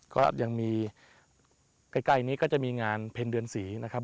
ก็ยังมีใกล้นี้ก็จะมีงานเพ็ญเดือนศรีนะครับ